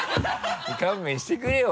勘弁してくれよ